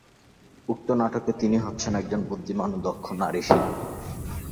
উক্ত নাটকে তিনি হচ্ছেন একজন বুদ্ধিমান এবং দক্ষ নারীশিল্পী।